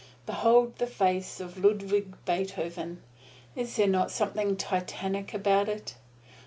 Behold the face of Ludwig Beethoven is there not something Titanic about it?